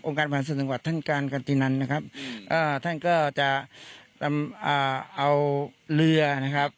องค์การประหลาดส่วนจังหวัดท่านการกันตินันนะครับอ่าท่านก็จะเอาเรือนะครับ